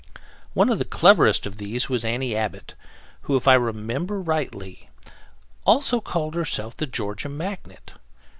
One of the cleverest of these was Annie Abbott, who, if I remember rightly, also called herself The Georgia Magnet.